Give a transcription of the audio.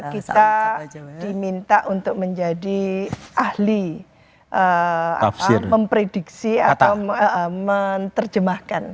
kita diminta untuk menjadi ahli memprediksi atau menerjemahkan